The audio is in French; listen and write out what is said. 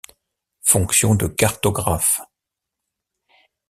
Fonction de cartographe.